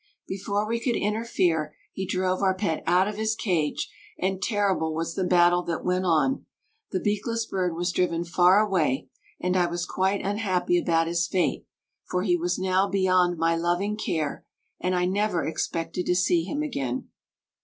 Before we could interfere he drove our pet out of his cage, and terrible was the battle that went on; the beakless bird was driven far away, and I was quite unhappy about his fate, for he was now beyond my loving care, and I never expected to see him again.